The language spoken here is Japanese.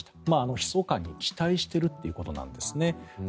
ひそかに期待しているということですね。